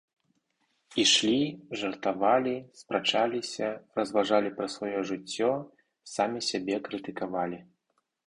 Ішлі, жартавалі, спрачаліся, разважалі пра сваё жыццё, самі сябе крытыкавалі.